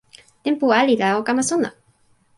tenpo ali la o kama sona!